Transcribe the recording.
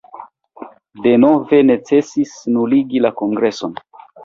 Denove necesis nuligi la kongreson.